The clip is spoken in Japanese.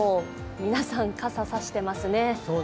皆さん、傘差してますね。